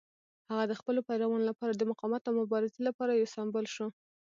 هغه د خپلو پیروانو لپاره د مقاومت او مبارزې لپاره یو سمبول شو.